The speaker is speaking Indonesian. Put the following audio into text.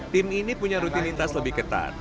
tim ini punya rutinitas lebih ketat